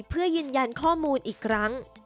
เพื่อยืนยันข้อมูลอีกครั้ง